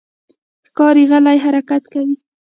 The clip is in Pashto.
ښکاري غلی حرکت کوي.